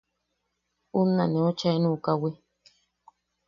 Unna neu chaaen u kawi.